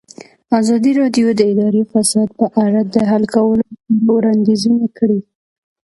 ازادي راډیو د اداري فساد په اړه د حل کولو لپاره وړاندیزونه کړي.